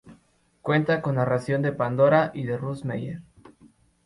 Cuenta con narración de Pandora y de Russ Meyer.